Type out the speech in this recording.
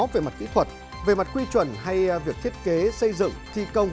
về mặt kỹ thuật về mặt quy chuẩn hay việc thiết kế xây dựng thi công